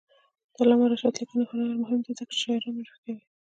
د علامه رشاد لیکنی هنر مهم دی ځکه چې شاعران معرفي کوي.